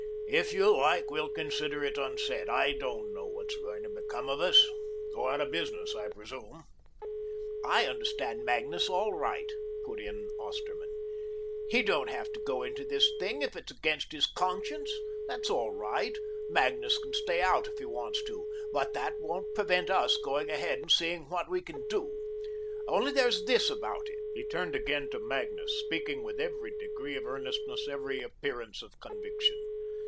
If you like, we'll consider it unsaid. I don't know what's going to become of us go out of business, I presume." "I understand Magnus all right," put in Osterman. "He don't have to go into this thing, if it's against his conscience. That's all right. Magnus can stay out if he wants to, but that won't prevent us going ahead and seeing what we can do. Only there's this about it." He turned again to Magnus, speaking with every degree of earnestness, every appearance of conviction.